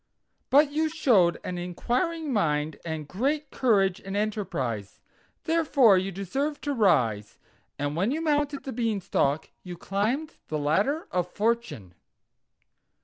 But you showed an inquiring mind, and great courage and enterprise, therefore you deserve to rise; and when you mounted the Beanstalk you climbed the Ladder of Fortune."